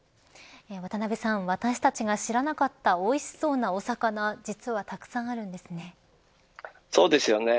渡辺さん、私たちが知らなかったおいしそうなお魚そうですよね。